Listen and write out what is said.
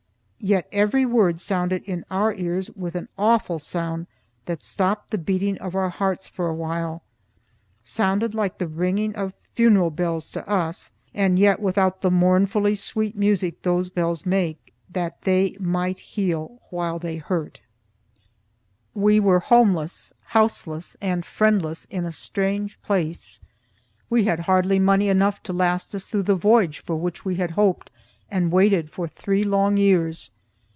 Yet every word sounded in our ears with an awful sound that stopped the beating of our hearts for a while sounded like the ringing of funeral bells to us, and yet without the mournfully sweet music those bells make, that they might heal while they hurt. We were homeless, houseless, and friendless in a strange place. We had hardly money enough to last us through the voyage for which we had hoped and waited for three long years.